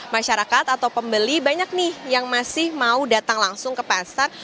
masyarakat atau pembeli banyak nih yang masih mau datang langsung ke pasar